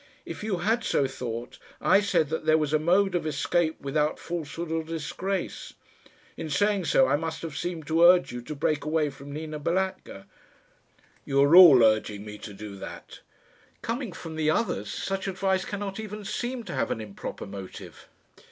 If you had so thought, I said that there was a mode of escape without falsehood or disgrace. In saying so I must have seemed to urge you to break away from Nina Balatka." "You are all urging me to do that." "Coming from the others, such advice cannot even seem to have an improper motive."